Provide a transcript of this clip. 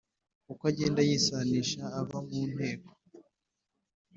uko agenda yisanisha ava mu nteko